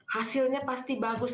hasilnya pasti bagus